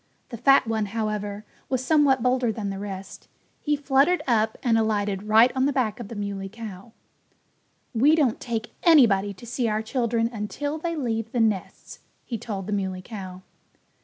The fat one, however, was somewhat bolder than the rest. He fluttered up and alighted right on the back of the Muley Cow. "We don't take anybody to see our children until they leave the nests," he told the Muley Cow.